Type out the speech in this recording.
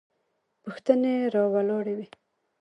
پوښتنې راولاړوي.